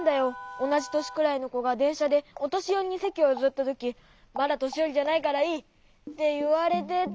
おなじとしくらいのこがでんしゃでおとしよりにせきをゆずったとき「まだとしよりじゃないからいい」っていわれてて。